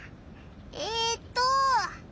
えっと。